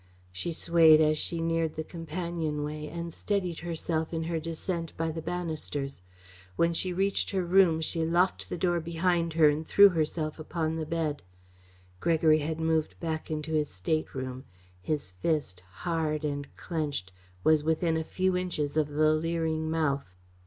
She swayed as she neared the companionway and steadied herself in her descent by the banisters. When she reached her room she locked the door behind her and threw herself upon the bed. Gregory had moved back into his stateroom. His fist, hard and clenched, was within a few inches of the leering mouth.